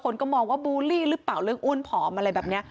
คนก็มองว่าบูลลี่หรือเปล่าเรื่องอ้วนผอมอะไรแบบนี้